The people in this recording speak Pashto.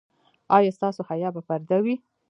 ایا ستاسو حیا به پرده وي؟